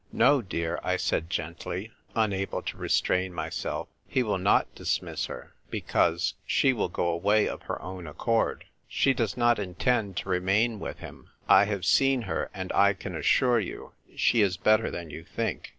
"No, dear," I said gently, unable to restrain myself, "he will not dismiss her, because — she will go away of her own accord. She does not intend to remain with him. I have seen her, and I can assure you she is better than you think.